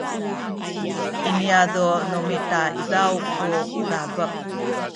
i niyazu’ nu mita izaw ku dabek